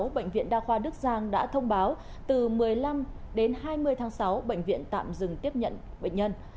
bệnh viện đa khoa đức giang đã thông báo từ một mươi năm đến hai mươi tháng sáu bệnh viện tạm dừng tiếp nhận bệnh nhân